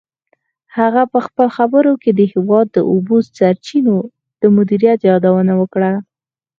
هغه په خپلو خبرو کې د هېواد د اوبو سرچینو د مدیریت یادونه وکړه.